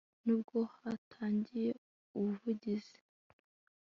n ubwo hatangiye ubuvugizi